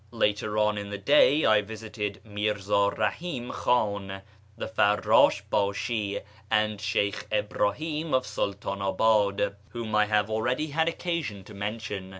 Later on in the day I visited Mi'rza Eahim Khan, the Far rdsh hdsJd, and Sheykh Ibrahim of Sultanab; id, whom I have already had occasion to mention.